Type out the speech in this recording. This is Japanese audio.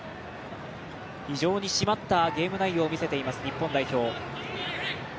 非常に締まったゲーム内容を見せています、日本代表。